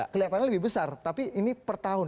kelihatannya lebih besar tapi ini per tahun